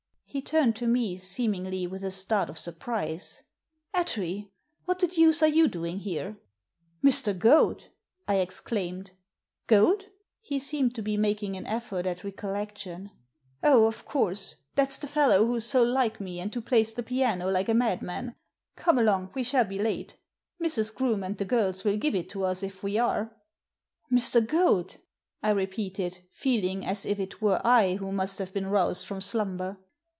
He turned to me, seemingly with a start of surprise. " Attree !— ^what the deuce are you doing here?" " Mr. Goad !" I exclaimed. Goad !" He seemed to be making an effort at recollection. "Oh, of course! That's the fellow who's so like me, and who plays the piano like a madman. Come along, we shall be late — Mrs. Groome and the girls will give it to us if we are." " Mr. Goad !" I repeated, feeling as if it were I who must have been roused from slumber.